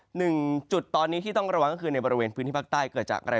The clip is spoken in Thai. หนึ่งจุดตอนนี้ที่ต้องระวังก็คือในบริเวณพื้นที่ภาคใต้เกิดจากอะไร